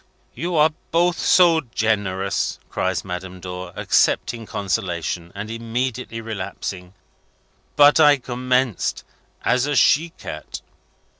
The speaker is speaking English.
"You are both so generous," cries Madame Dor, accepting consolation, and immediately relapsing. "But I commenced as a she cat."